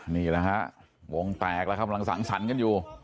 นี่แหละฮะวงแตกแล้วครับกำลังสังสรรค์กันอยู่